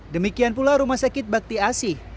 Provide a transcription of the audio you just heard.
demikian pula rumah sakit bakti asih